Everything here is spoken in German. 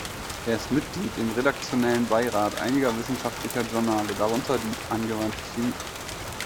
Er ist Mitglied im redaktionellen Beirat einiger wissenschaftlicher Journale, darunter die "Angewandte Chemie".